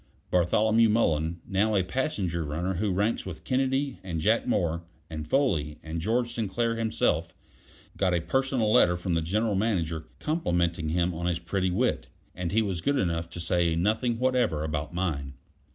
Bartholomew Mullen, now a passenger runner who ranks with Kennedy and Jack Moore and Foley and George Sinclair himself, got a personal letter from the General Manager complimenting him on his pretty wit; and he was good enough to say nothing whatever about mine.